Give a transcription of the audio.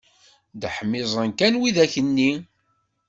Dehmiẓen kan widak-nni!